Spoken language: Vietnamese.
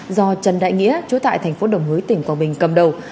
do trần đại nghĩa chỗ tại thành phố đồng hưới tỉnh quảng bình cầm đầu